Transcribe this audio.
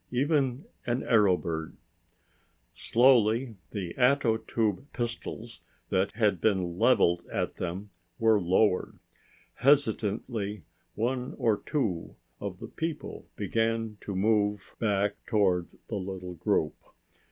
Even an arrow bird!" Slowly the ato tube pistols that had been leveled at them were lowered. Hesitantly, one or two of the people began to move back toward the little group.